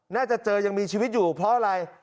น่าจะเจอยังมีชีวิตอยู่เพราะอะไร